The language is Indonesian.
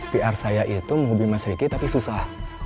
pr saya itu menghubungi mis riki tapi susah